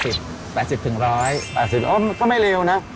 ๘๐โอ้ยมันก็ไม่เร็วนะ